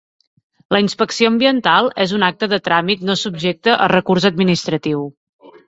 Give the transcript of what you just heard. La inspecció ambiental és un acte de tràmit no subjecte a recurs administratiu.